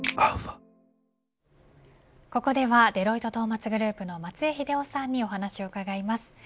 ここでは、デロイトトーマツグループの松江英夫さんにお話を伺います。